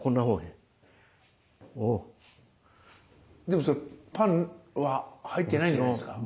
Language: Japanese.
でもそれパンは入ってないんじゃないですか？